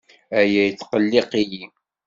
Aya yettqelliq-iyi.